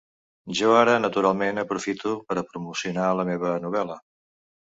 Jo ara naturalment aprofito per a promocionar la meva novel·la.